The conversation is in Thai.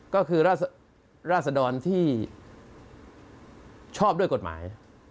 ก็คือราศดรที่ชอบด้วยกฎหมาย